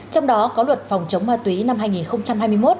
trong đó có luật phòng chống ma túy năm hai nghìn hai mươi một